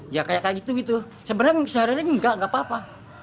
ya kayak gitu gitu sebenarnya sehari hari enggak enggak apa apa